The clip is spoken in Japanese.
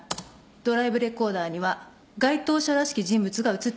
ドライブレコーダーには該当者らしき人物が写っています。